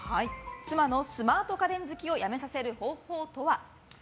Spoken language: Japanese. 妻のスマート家電好きをやめさせる方法とは？